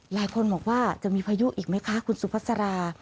หลายคนบอกว่าจะมีพายุอีกไหมคะคุณสุภาษา